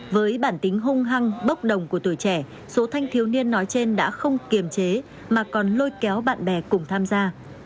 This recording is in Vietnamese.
với bản tính hung hăng bốc đồng của tuổi trẻ số thanh thiếu niên nói trên đã không kiềm chế mà còn lôi kéo bạn bè cùng tham gia